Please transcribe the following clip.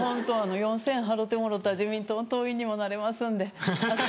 ４０００円払うてもろうたら自民党の党員にもなれますんで。